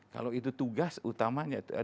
kalau itu tugas utamanya